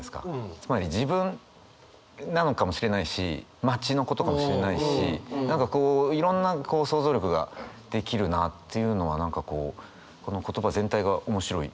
つまり自分なのかもしれないし街のことかもしれないし何かこういろんな想像力ができるなっていうのは何かこうこの言葉全体が面白いですよね。